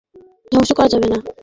তিনি আমাদেরকে ধ্বংস করবেন না।